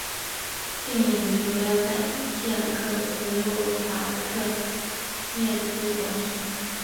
电影主要在捷克斯洛伐克摄制完成。